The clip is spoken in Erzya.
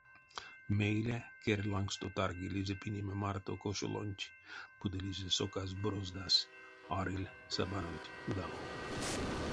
Мейле керь лангсто таргилизе пинеме марто кошолонть, путылизе соказь бороздас, арыль сабанонть удалов.